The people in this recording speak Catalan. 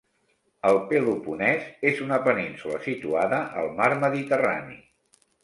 El Peloponès és una península situada al mar Mediterrani.